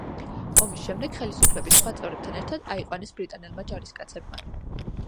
ომის შემდეგ ხელისუფლების სხვა წევრებთან ერთად აიყვანეს ბრიტანელმა ჯარისკაცებმა.